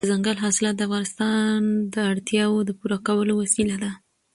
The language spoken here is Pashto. دځنګل حاصلات د افغانانو د اړتیاوو د پوره کولو وسیله ده.